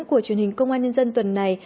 của truyền hình công an nhân dân tuần này